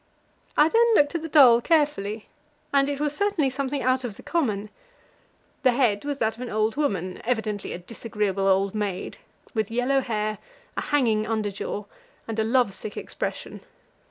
I then looked at the doll carefully, and it was certainly something out of the common. The head was that of an old woman evidently a disagreeable old maid with yellow hair, a hanging under jaw, and a love sick expression.